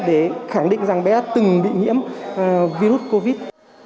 để khẳng định rằng bé đã từng bị nhiễm virus covid